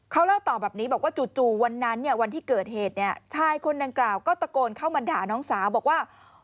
เขาเล่าต่อแบบนี้บอกว่าจู่วันนั้นเนี่ยวันที่เกิดเหตุเนี่ยชายคนดังกล่าวก็ตะโกนเข้ามาด่าน้องสาวบอกว่า